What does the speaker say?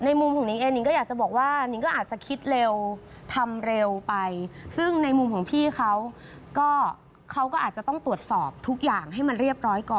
มุมของนิงเองนิงก็อยากจะบอกว่านิ้งก็อาจจะคิดเร็วทำเร็วไปซึ่งในมุมของพี่เขาก็อาจจะต้องตรวจสอบทุกอย่างให้มันเรียบร้อยก่อน